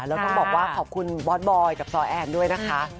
แล้วต้องบอกว่าขอบคุณบอสบอยกับซอแอนด้วยนะคะ